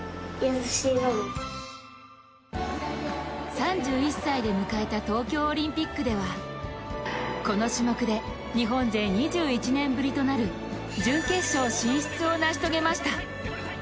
３１歳で迎えた東京オリンピックでは、この種目で日本勢２１年ぶりとなる準決勝進出を成し遂げました。